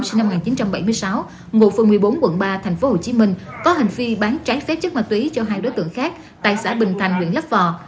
sinh năm một nghìn chín trăm bảy mươi sáu ngộ phương một mươi bốn quận ba tp hcm có hành vi bán trái phép chất ma túy cho hai đối tượng khác tài xã bình thành huyện lắp vò